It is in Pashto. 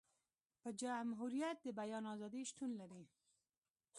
په جمهوريت د بیان ازادي شتون لري.